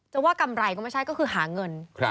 จะว่ากำไรก็ไม่ใช่ก็คือหาเงิน